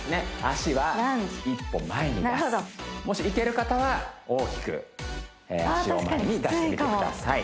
脚は一歩前に出すもしいける方は大きく脚を前に出してみてください